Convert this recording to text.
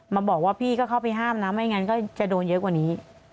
มาบอกว่าพี่ก็เข้าไปห้ามนะไม่งั้นก็จะโดนเยอะกว่านี้